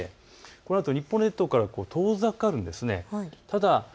このあと日本列島からは遠ざかるんです。